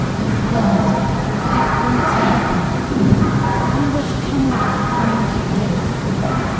"O God, if that were to happen! If I were to come back and find her dead!